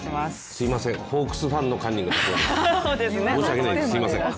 すみません、ホークスファンのカンニング竹山です、申し訳ないです。